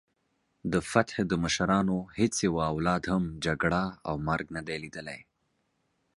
د فتح د مشرانو هیڅ یوه اولاد هم جګړه او مرګ نه دی لیدلی.